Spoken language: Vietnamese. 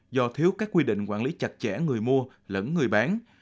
do thiếu các quy định quản lý chặt chẽ người mua lẫn người bán